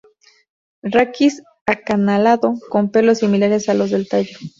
Raquis acanalado, con pelos similares a los del tallo.